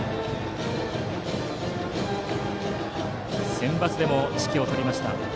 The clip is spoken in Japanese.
センバツでも指揮を執りました多田監督。